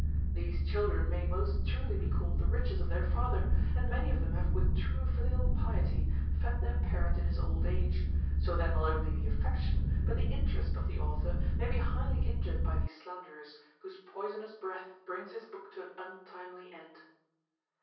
These children may most truly be called the riches of their father; and many of them have with true filial piety fed their parent in his old age: so that not only the affection, but the interest, of the author may be highly injured by these slanderers, whose poisonous breath brings his book to an untimely end.